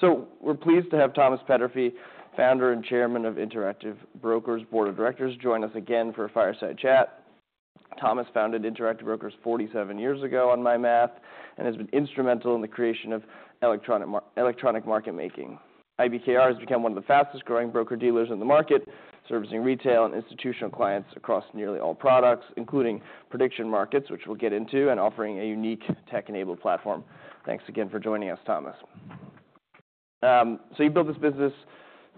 So we're pleased to have Thomas Peterffy, founder and chairman of Interactive Brokers Board of Directors, join us again for a fireside chat. Thomas founded Interactive Brokers 47 years ago by my math and has been instrumental in the creation of electronic market making. IBKR has become one of the fastest growing broker-dealers in the market, servicing retail and institutional clients across nearly all products, including prediction markets, which we'll get into, and offering a unique tech-enabled platform. Thanks again for joining us, Thomas. So you built this business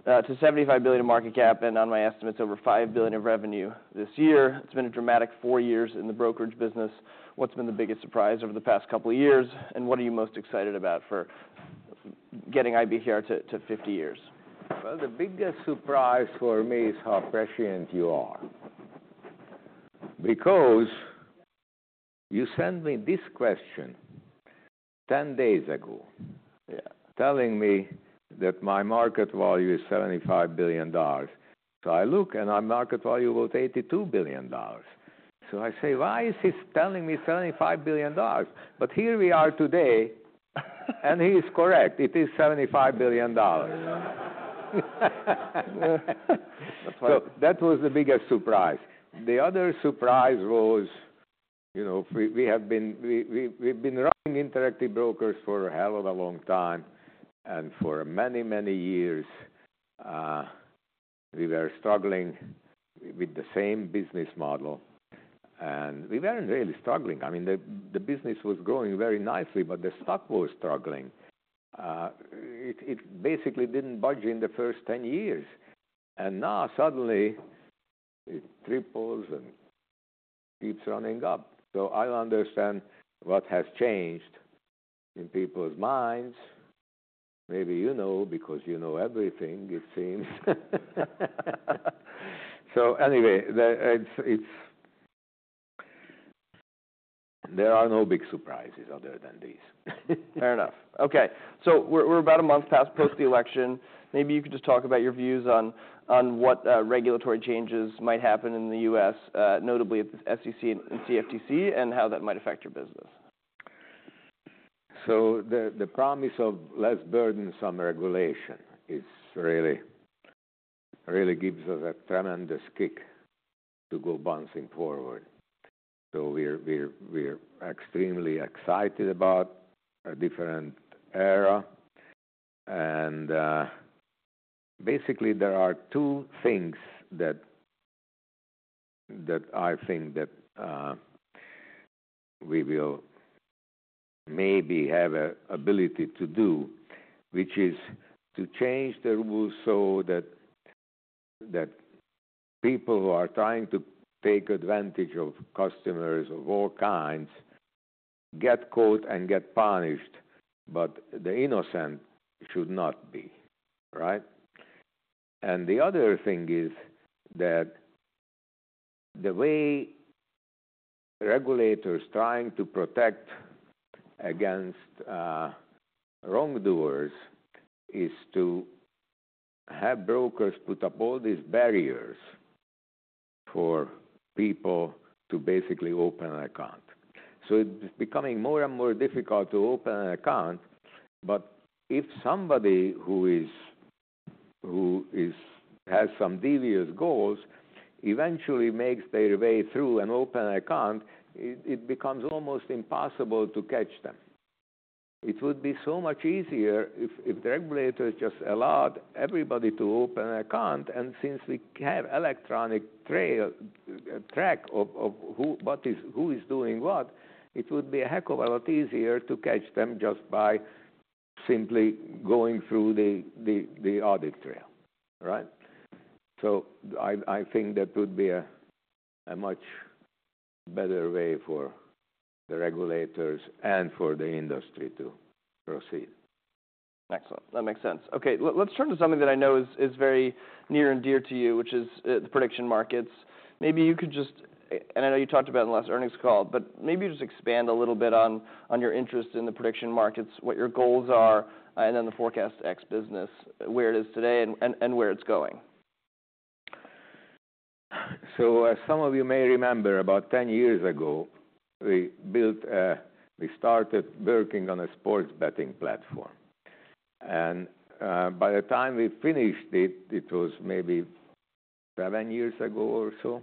to $75 billion market cap and, on my estimates, over $5 billion in revenue this year. It's been a dramatic four years in the brokerage business. What's been the biggest surprise over the past couple of years, and what are you most excited about for getting IBKR to 50 years? The biggest surprise for me is how prescient you are. Because you sent me this question 10 days ago, telling me that my market value is $75 billion. I look, and my market value was $82 billion. I say, "Why is he telling me $75 billion?" Here we are today, and he is correct. It is $75 billion. That was the biggest surprise. The other surprise was we've been running Interactive Brokers for a hell of a long time, and for many, many years, we were struggling with the same business model. We weren't really struggling. I mean, the business was growing very nicely, but the stock was struggling. It basically didn't budge in the first 10 years. Now, suddenly, it triples and keeps running up. I don't understand what has changed in people's minds. Maybe you know, because you know everything, it seems. So anyway, there are no big surprises other than these. Fair enough. Okay. So we're about a month past post-election. Maybe you could just talk about your views on what regulatory changes might happen in the U.S., notably at the SEC and CFTC, and how that might affect your business? So the promise of less burdensome regulation really gives us a tremendous kick to go bouncing forward. So we're extremely excited about a different era. And basically, there are two things that I think that we will maybe have an ability to do, which is to change the rules so that people who are trying to take advantage of customers of all kinds get caught and get punished, but the innocent should not be, right? And the other thing is that the way regulators are trying to protect against wrongdoers is to have brokers put up all these barriers for people to basically open an account. So it's becoming more and more difficult to open an account. But if somebody who has some devious goals eventually makes their way through and opens an account, it becomes almost impossible to catch them. It would be so much easier if the regulators just allowed everybody to open an account. And since we have electronic track of who is doing what, it would be a heck of a lot easier to catch them just by simply going through the audit trail, right? So I think that would be a much better way for the regulators and for the industry to proceed. Excellent. That makes sense. Okay. Let's turn to something that I know is very near and dear to you, which is the prediction markets. Maybe you could just, and I know you talked about it in the last earnings call, but maybe you just expand a little bit on your interest in the prediction markets, what your goals are, and then the ForecastEx business, where it is today and where it's going. So as some of you may remember, about 10 years ago, we started working on a sports betting platform. And by the time we finished it, it was maybe seven years ago or so.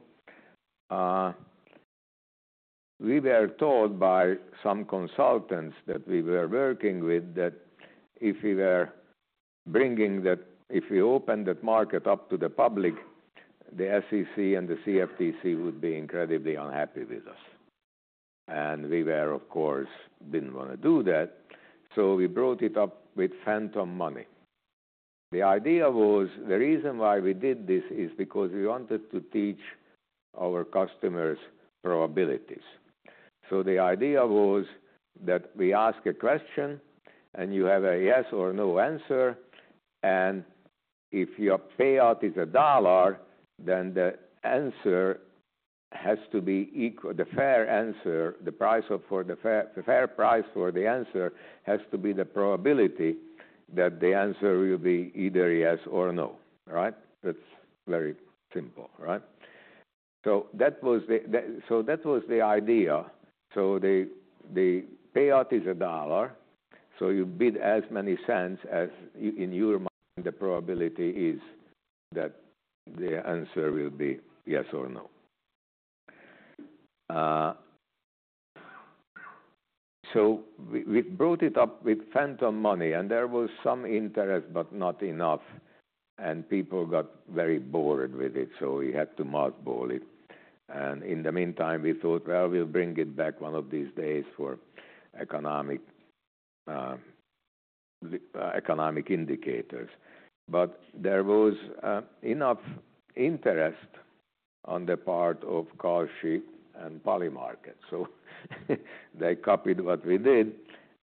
We were told by some consultants that we were working with that if we were bringing that, if we opened that market up to the public, the SEC and the CFTC would be incredibly unhappy with us. And we, of course, didn't want to do that. So we brought it up with phantom money. The idea was the reason why we did this is because we wanted to teach our customers probabilities. So the idea was that we ask a question, and you have a yes or no answer. If your payout is $1, then the answer has to be equal to the fair answer. The fair price for the answer has to be the probability that the answer will be either yes or no, right? That's very simple, right? That was the idea. The payout is $1, so you bid as many cents as, in your mind, the probability is that the answer will be yes or no. We brought it up with phantom money, and there was some interest, but not enough. People got very bored with it, so we had to mothball it. In the meantime, we thought, "Well, we'll bring it back one of these days for economic indicators." There was enough interest on the part of Kalshi and Polymarket. They copied what we did,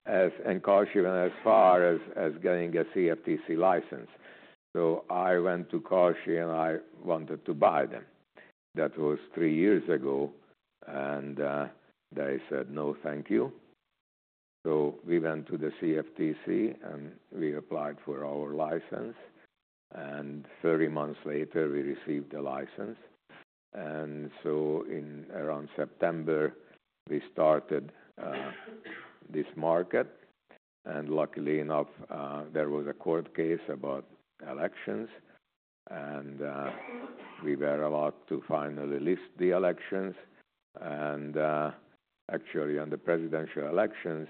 and Kalshi went as far as getting a CFTC license. So I went to Kalshi, and I wanted to buy them. That was three years ago. And they said, "No, thank you." So we went to the CFTC, and we applied for our license. And three months later, we received the license. And so in around September, we started this market. And luckily enough, there was a court case about elections. And we were allowed to finally list the elections. And actually, on the presidential elections,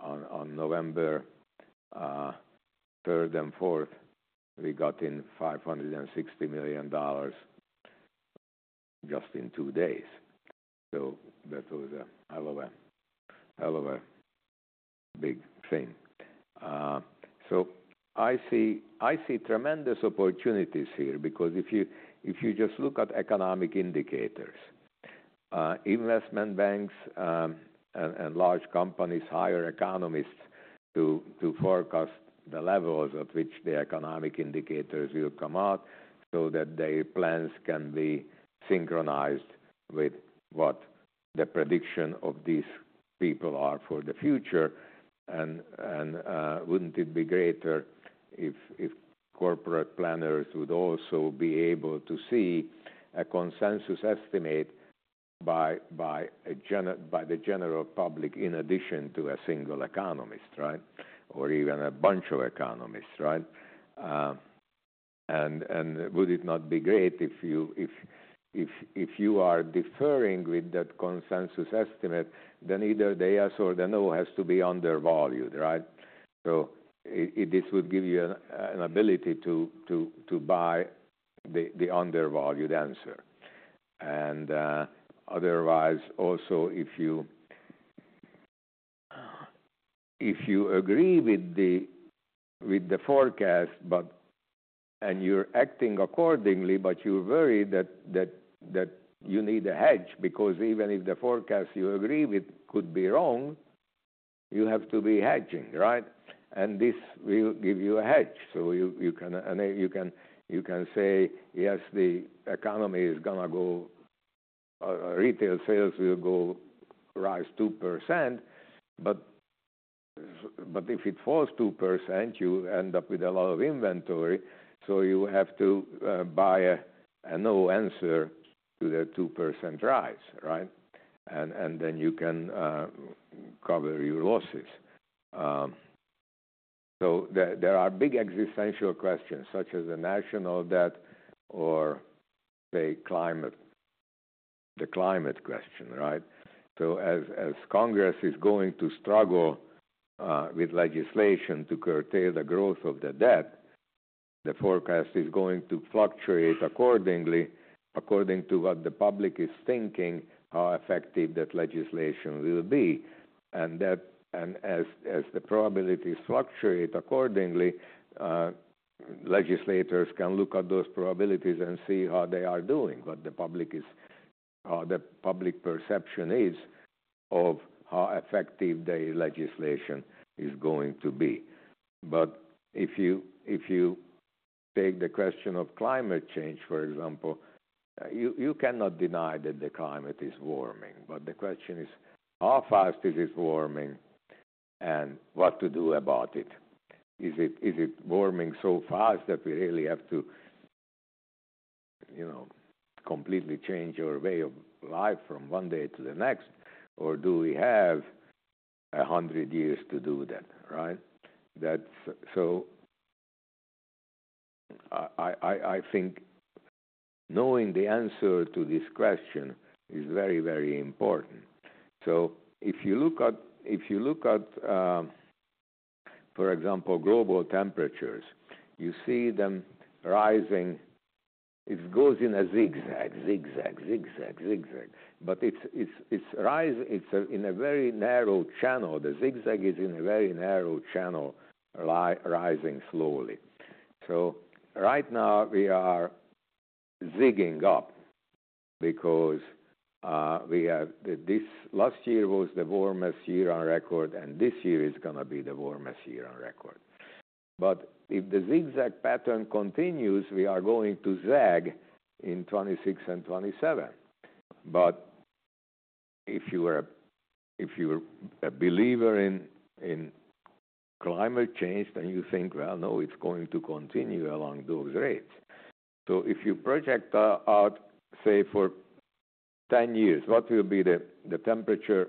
on November 3rd and 4th, we got in $560 million just in two days. So that was a hell of a big thing. So I see tremendous opportunities here because if you just look at economic indicators, investment banks and large companies hire economists to forecast the levels at which the economic indicators will come out so that their plans can be synchronized with what the prediction of these people are for the future. And wouldn't it be great if corporate planners would also be able to see a consensus estimate by the general public in addition to a single economist, right? Or even a bunch of economists, right? And would it not be great if you are differing with that consensus estimate, then either the yes or the no has to be undervalued, right? So this would give you an ability to buy the undervalued answer. And otherwise, also, if you agree with the forecast and you're acting accordingly, but you're worried that you need a hedge because even if the forecast you agree with could be wrong, you have to be hedging, right? And this will give you a hedge. So you can say, "Yes, the economy is going to grow, retail sales will rise 2%." But if it falls 2%, you end up with a lot of inventory. So you have to buy a no answer to the 2% rise, right? And then you can cover your losses. So there are big existential questions such as the national debt or, say, the climate question, right? So as Congress is going to struggle with legislation to curtail the growth of the debt, the forecast is going to fluctuate accordingly according to what the public is thinking, how effective that legislation will be. And as the probabilities fluctuate accordingly, legislators can look at those probabilities and see how they are doing, what the public perception is of how effective the legislation is going to be. But if you take the question of climate change, for example, you cannot deny that the climate is warming. But the question is, how fast is it warming and what to do about it? Is it warming so fast that we really have to completely change our way of life from one day to the next, or do we have 100 years to do that, right? So I think knowing the answer to this question is very, very important. So if you look at, for example, global temperatures, you see them rising. It goes in a zigzag, zigzag, zigzag, zigzag. But it's rising in a very narrow channel. The zigzag is in a very narrow channel, rising slowly. So right now, we are zigging up because last year was the warmest year on record, and this year is going to be the warmest year on record. But if the zigzag pattern continues, we are going to zag in 2026 and 2027. But if you're a believer in climate change, then you think, "Well, no, it's going to continue along those rates." So if you project out, say, for 10 years, what will be the temperature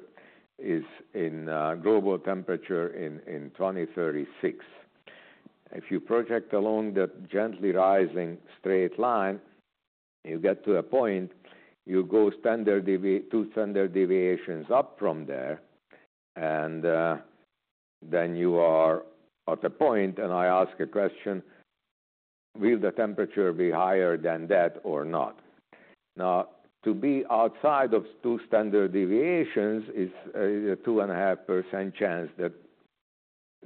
in global temperature in 2036? If you project along that gently rising straight line, you get to a point, you go two standard deviations up from there, and then you are at a point, and I ask a question, "Will the temperature be higher than that or not?" Now, to be outside of two standard deviations is a 2.5% chance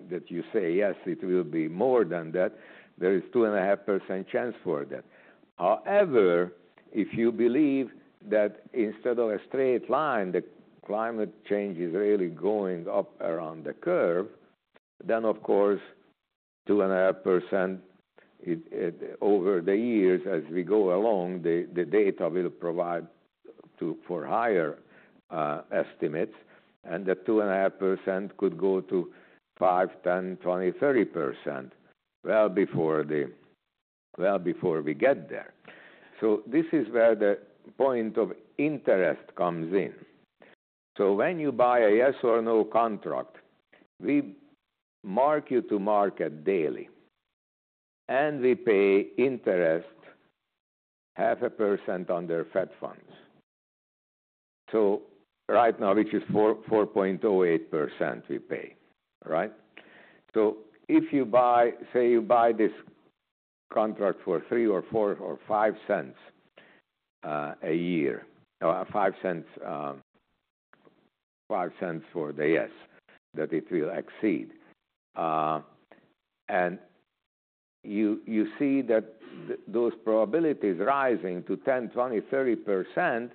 that you say, "Yes, it will be more than that." There is a 2.5% chance for that. However, if you believe that instead of a straight line, the climate change is really going up around the curve, then, of course, 2.5% over the years, as we go along, the data will provide for higher estimates. That 2.5% could go to 5%, 10%, 20%, 30% well before we get there. This is where the point of interest comes in. When you buy a yes or no contract, we mark you to market daily, and we pay interest, 0.5% under Fed funds. Right now, which is 4.08%, we pay, right? If you buy, say you buy this contract for $0.03, $0.04, or $0.05 a year, $0.05 for the yes, that it will exceed. And you see that those probabilities rising to 10%, 20%, 30%,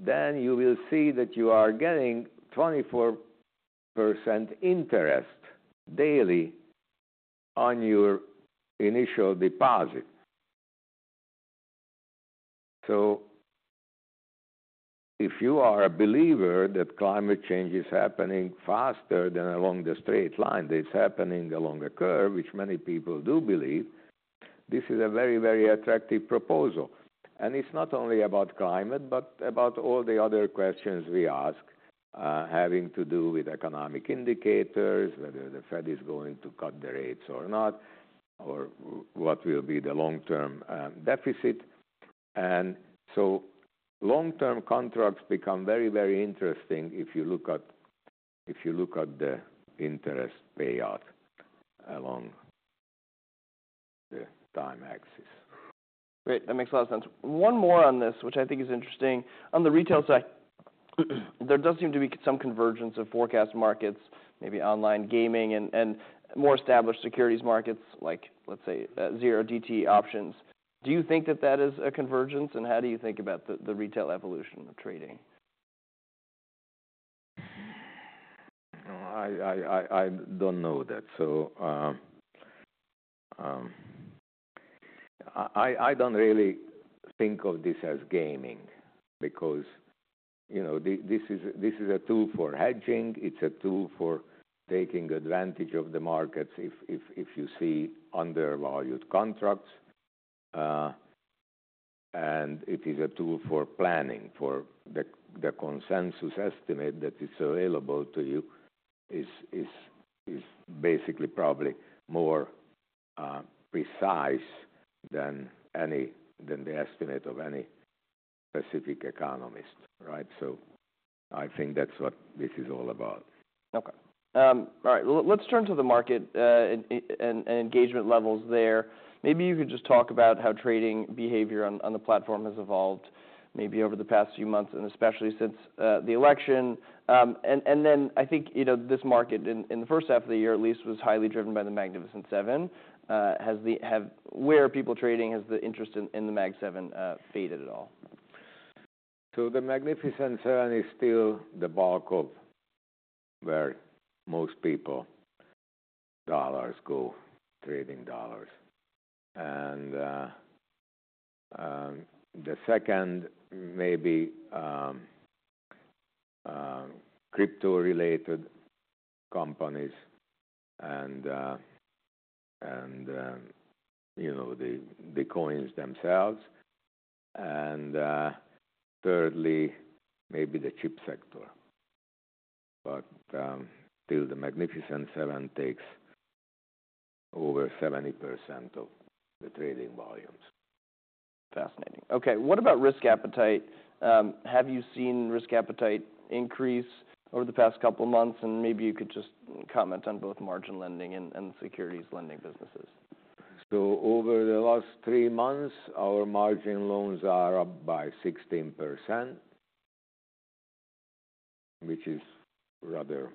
then you will see that you are getting 24% interest daily on your initial deposit. If you are a believer that climate change is happening faster than along the straight line, that it's happening along a curve, which many people do believe, this is a very, very attractive proposal. And it's not only about climate, but about all the other questions we ask having to do with economic indicators, whether the Fed is going to cut the rates or not, or what will be the long-term deficit. And so long-term contracts become very, very interesting if you look at the interest payout along the time axis. Great. That makes a lot of sense. One more on this, which I think is interesting. On the retail side, there does seem to be some convergence of forecast markets, maybe online gaming, and more established securities markets, like, let's say, 0DTE options. Do you think that that is a convergence, and how do you think about the retail evolution of trading? I don't know that. So I don't really think of this as gaming because this is a tool for hedging. It's a tool for taking advantage of the markets if you see undervalued contracts. And it is a tool for planning for the consensus estimate that is available to you is basically probably more precise than the estimate of any specific economist, right? So I think that's what this is all about. Okay. All right. Let's turn to the market and engagement levels there. Maybe you could just talk about how trading behavior on the platform has evolved maybe over the past few months, and especially since the election, and then I think this market, in the first half of the year at least, was highly driven by the Magnificent Seven. Where are people trading? Has the interest in the Mag Seven faded at all? So, the Magnificent Seven is still the bulk of where most people trading dollars. And the second, maybe crypto-related companies and the coins themselves. And thirdly, maybe the chip sector. But still, the Magnificent Seven takes over 70% of the trading volumes. Fascinating. Okay. What about risk appetite? Have you seen risk appetite increase over the past couple of months? And maybe you could just comment on both margin lending and securities lending businesses. Over the last three months, our margin loans are up by 16%, which is rather,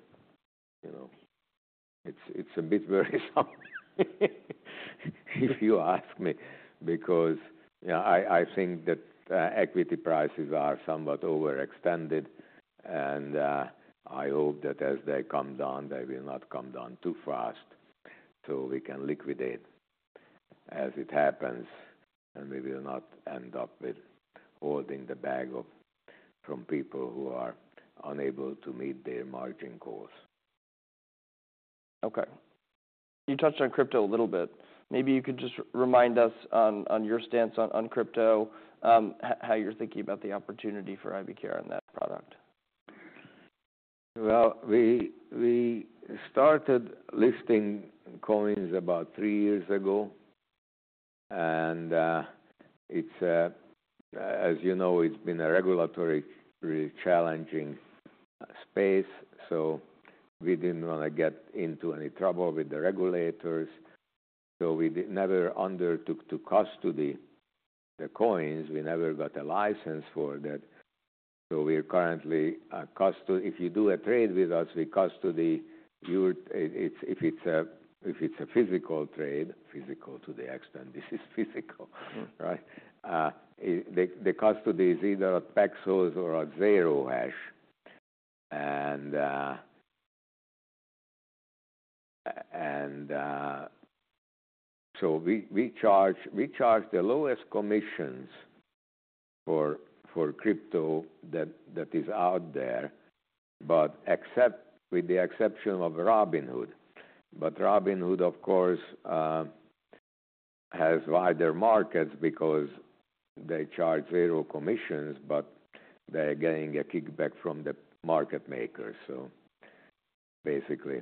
it's a bit worrisome if you ask me because I think that equity prices are somewhat overextended. And I hope that as they come down, they will not come down too fast so we can liquidate as it happens, and we will not end up with holding the bag from people who are unable to meet their margin goals. Okay. You touched on crypto a little bit. Maybe you could just remind us on your stance on crypto, how you're thinking about the opportunity for IBKR and that product. Well, we started listing coins about three years ago. And as you know, it's been a regulatory challenging space. So we didn't want to get into any trouble with the regulators. So we never undertook to custody the coins. We never got a license for that. So we're currently custody. If you do a trade with us, we custody your. If it's a physical trade, physical to the extent this is physical, right? The custody is either at Paxos or at Zero Hash. And so we charge the lowest commissions for crypto that is out there, with the exception of Robinhood. But Robinhood, of course, has wider markets because they charge zero commissions, but they're getting a kickback from the market makers. So basically,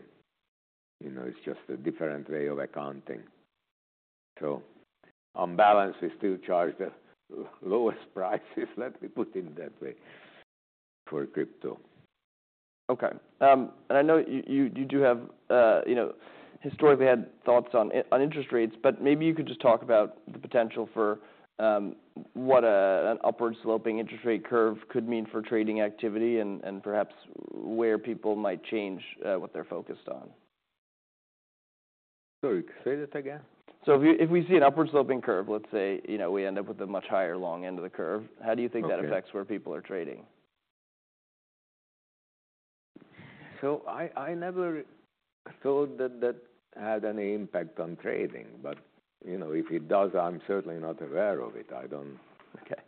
it's just a different way of accounting. So on balance, we still charge the lowest prices, let me put it that way, for crypto. Okay, and I know you do have historically had thoughts on interest rates, but maybe you could just talk about the potential for what an upward-sloping interest rate curve could mean for trading activity and perhaps where people might change what they're focused on? Sorry, say that again? So if we see an upward-sloping curve, let's say we end up with a much higher long end of the curve, how do you think that affects where people are trading? So I never thought that that had any impact on trading. But if it does, I'm certainly not aware of it. I don't. Okay.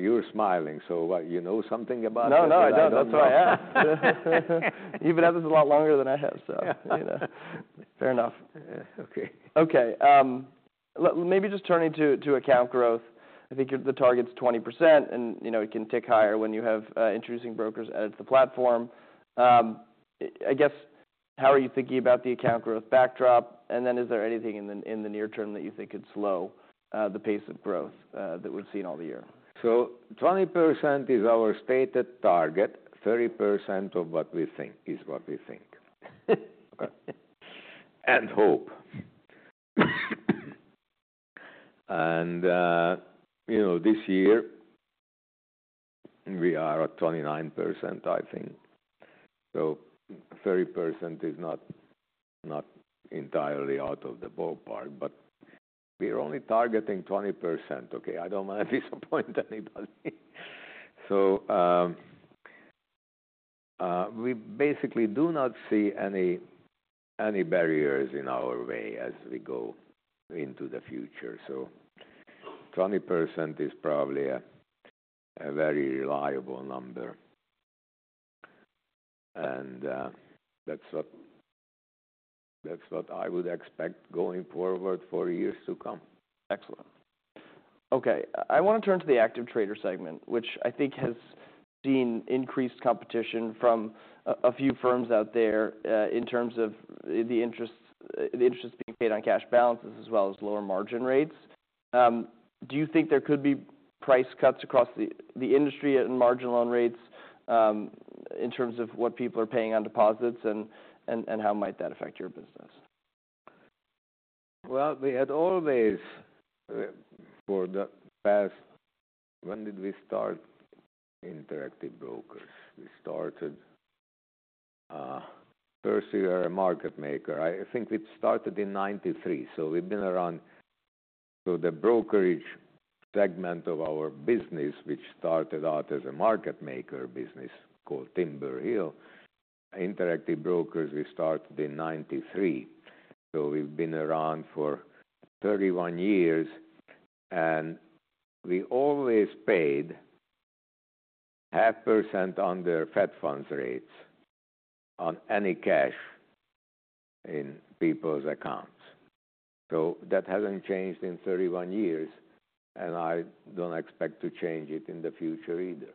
You're smiling, so you know something about it. No, no, I don't. That's why I ask. You've been at this a lot longer than I have, so fair enough. Okay. Okay. Maybe just turning to account growth. I think the target's 20%, and it can tick higher when you have introducing brokers added to the platform. I guess, how are you thinking about the account growth backdrop? And then is there anything in the near term that you think could slow the pace of growth that we've seen all the year? So, 20% is our stated target, 30% of what we think is what we think and hope, and this year, we are at 29%, I think, so 30% is not entirely out of the ballpark, but we're only targeting 20%. Okay, I don't want to disappoint anybody, so we basically do not see any barriers in our way as we go into the future, so 20% is probably a very reliable number, and that's what I would expect going forward for years to come. Excellent. Okay. I want to turn to the active trader segment, which I think has seen increased competition from a few firms out there in terms of the interest being paid on cash balances as well as lower margin rates. Do you think there could be price cuts across the industry and margin loan rates in terms of what people are paying on deposits, and how might that affect your business? Well, we had always—for the past, when did we start Interactive Brokers? We started as a market maker. I think we started in 1993. So we've been around—so the brokerage segment of our business, which started out as a market maker business called Timber Hill, Interactive Brokers, we started in 1993. So we've been around for 31 years, and we always paid 0.5% under Fed funds rates on any cash in people's accounts. So that hasn't changed in 31 years, and I don't expect to change it in the future either.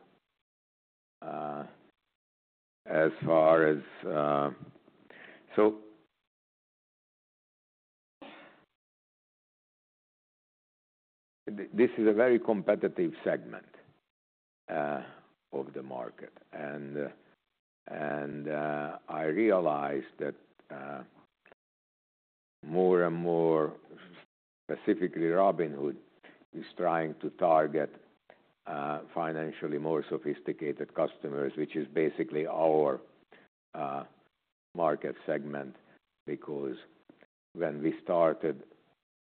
As far as—so this is a very competitive segment of the market. And I realized that more and more, specifically Robinhood, is trying to target financially more sophisticated customers, which is basically our market segment. Because when we started,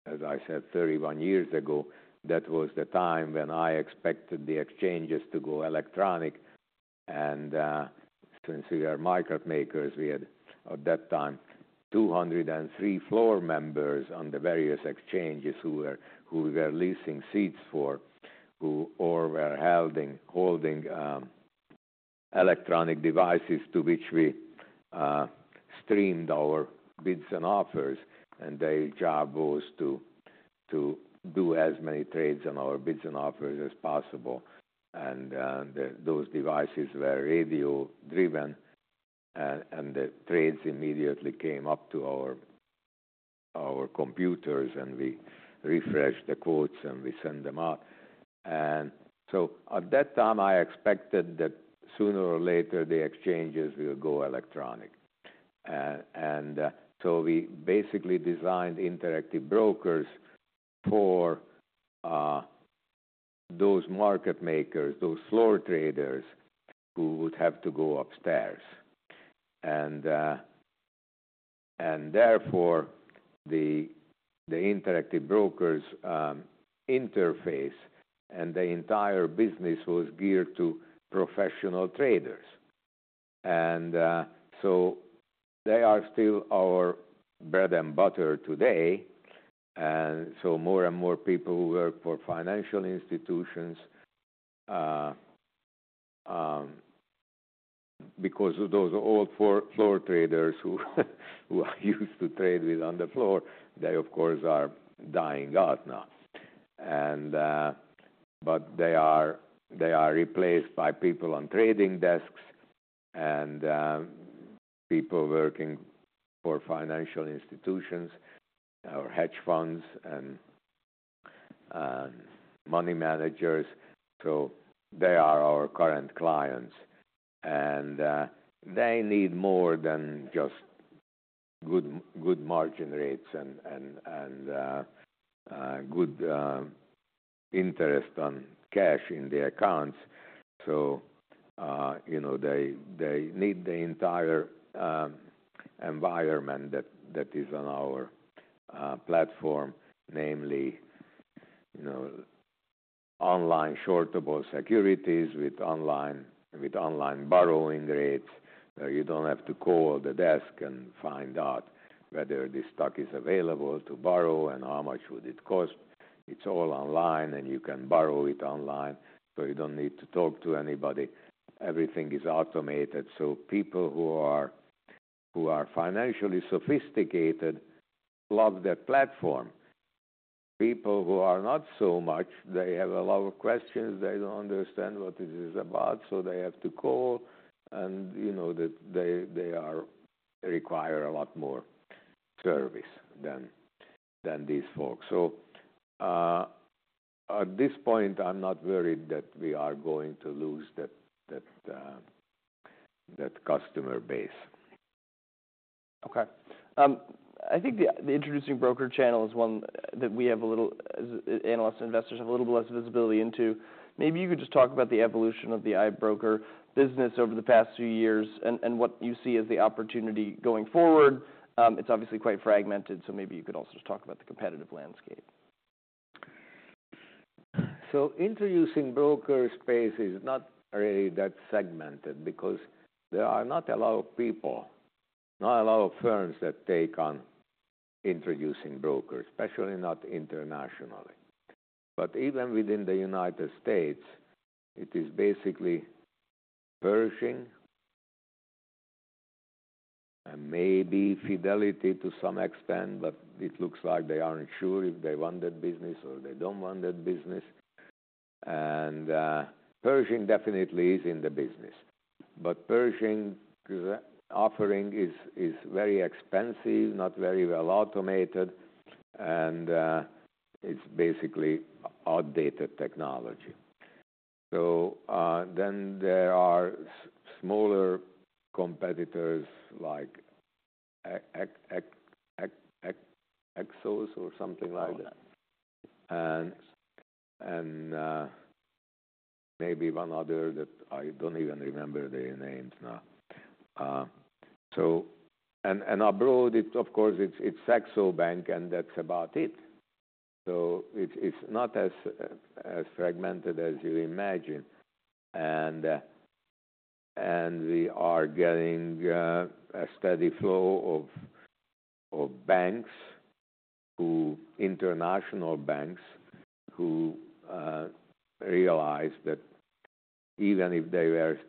as I said, 31 years ago, that was the time when I expected the exchanges to go electronic. And since we are market makers, we had at that time 203 floor members on the various exchanges who we were leasing seats for or were holding electronic devices to which we streamed our bids and offers. And their job was to do as many trades on our bids and offers as possible. And those devices were radio-driven, and the trades immediately came up to our computers, and we refreshed the quotes, and we sent them out. And so at that time, I expected that sooner or later, the exchanges will go electronic. And so we basically designed Interactive Brokers for those market makers, those floor traders who would have to go upstairs. And therefore, the Interactive Brokers interface and the entire business was geared to professional traders. And so they are still our bread and butter today. And so more and more people who work for financial institutions, because of those old floor traders who are used to trading on the floor, they, of course, are dying out now. But they are replaced by people on trading desks and people working for financial institutions or hedge funds and money managers. So they are our current clients. And they need more than just good margin rates and good interest on cash in the accounts. So they need the entire environment that is on our platform, namely online shortable securities with online borrowing rates. You don't have to call the desk and find out whether this stock is available to borrow and how much would it cost. It's all online, and you can borrow it online. So you don't need to talk to anybody. Everything is automated. So people who are financially sophisticated love that platform. People who are not so much, they have a lot of questions. They don't understand what this is about, so they have to call, and they require a lot more service than these folks, so at this point, I'm not worried that we are going to lose that customer base. Okay. I think the introducing broker channel is one that analysts and investors have a little bit less visibility into. Maybe you could just talk about the evolution of the iBroker business over the past few years and what you see as the opportunity going forward. It's obviously quite fragmented, so maybe you could also just talk about the competitive landscape. Introducing broker space is not really that segmented because there are not a lot of people, not a lot of firms that take on introducing brokers, especially not internationally. But even within the United States, it is basically BNY Pershing and maybe Fidelity to some extent, but it looks like they aren't sure if they want that business or they don't want that business. And BNY Pershing definitely is in the business. But BNY Pershing offering is very expensive, not very well automated, and it's basically outdated technology. So then there are smaller competitors like Axos or something like that. And maybe one other that I don't even remember their names now. And abroad, of course, it's Saxo Bank, and that's about it. So it's not as fragmented as you imagine. We are getting a steady flow of international banks who realize that even if they were to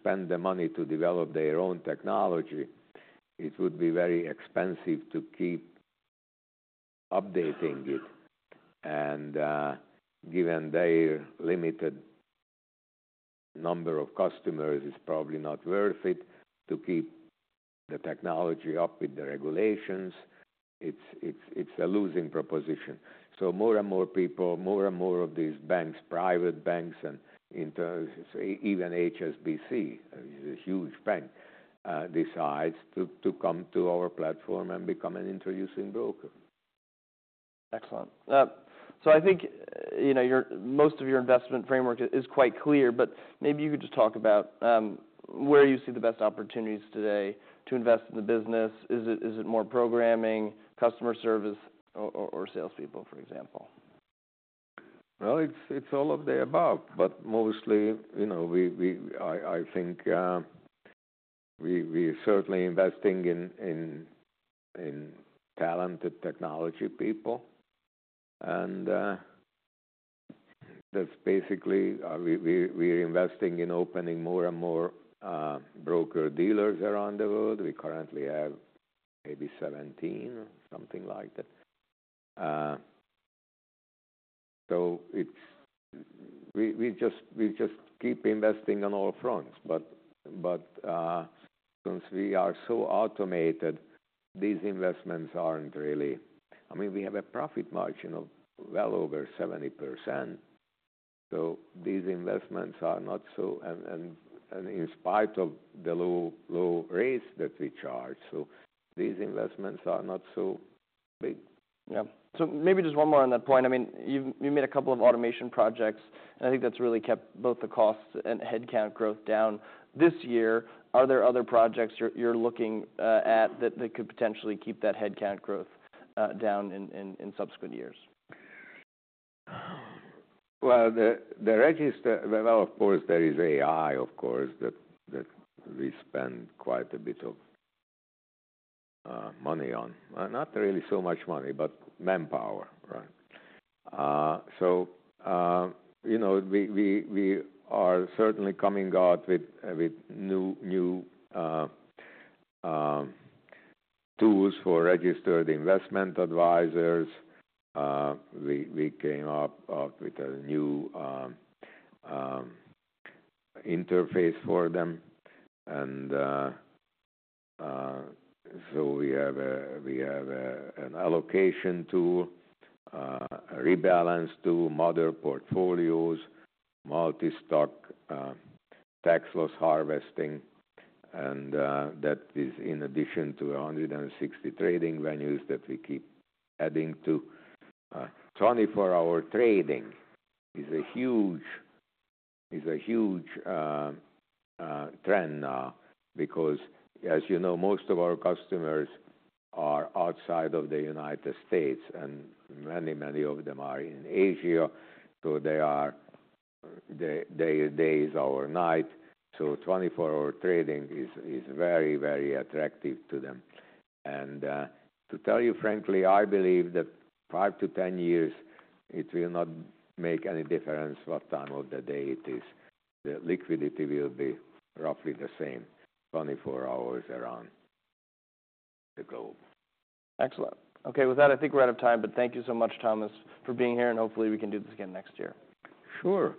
spend the money to develop their own technology, it would be very expensive to keep updating it. Given their limited number of customers, it's probably not worth it to keep the technology up with the regulations. It's a losing proposition. More and more people, more and more of these banks, private banks, and even HSBC, which is a huge bank, decides to come to our platform and become an introducing broker. Excellent. So I think most of your investment framework is quite clear, but maybe you could just talk about where you see the best opportunities today to invest in the business. Is it more programming, customer service, or salespeople, for example? It's all of the above, but mostly, I think we're certainly investing in talented technology people. That's basically we're investing in opening more and more broker dealers around the world. We currently have maybe 17, something like that. We just keep investing on all fronts. Since we are so automated, these investments aren't really, I mean, we have a profit margin of well over 70%. These investments are not so, and in spite of the low rates that we charge, so these investments are not so big. Yeah. So maybe just one more on that point. I mean, you made a couple of automation projects, and I think that's really kept both the costs and headcount growth down. This year, are there other projects you're looking at that could potentially keep that headcount growth down in subsequent years? Of course, there is AI, of course, that we spend quite a bit of money on. Not really so much money, but manpower, right? So we are certainly coming out with new tools for registered investment advisors. We came out with a new interface for them. And so we have an allocation tool, a rebalance tool, model portfolios, multi-stock, tax loss harvesting. And that is in addition to 160 trading venues that we keep adding to. 24-hour trading is a huge trend now because, as you know, most of our customers are outside of the United States, and many, many of them are in Asia. So their day is our night. So 24-hour trading is very, very attractive to them. And to tell you frankly, I believe that in five to 10 years, it will not make any difference what time of the day it is. The liquidity will be roughly the same 24 hours around the globe. Excellent. Okay. With that, I think we're out of time, but thank you so much, Thomas, for being here, and hopefully, we can do this again next year. Sure.